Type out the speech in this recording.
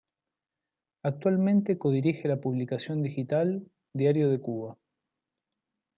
Actualmente co-dirige la publicación digital Diario de Cuba.